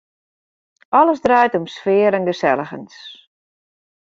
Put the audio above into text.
Alles draait om sfear en geselligens.